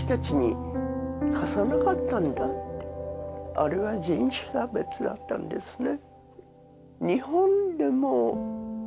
あれは人種差別だったんですね